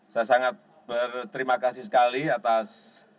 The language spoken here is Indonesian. saya sangat berterima kasih sekali atas